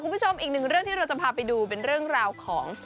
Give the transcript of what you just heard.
คุณผู้ชมอีกหนึ่งเรื่องที่เราจะพาไปดูเป็นเรื่องราวของ